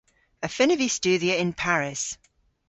Y fynnav vy studhya yn Paris.